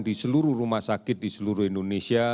di seluruh rumah sakit di seluruh indonesia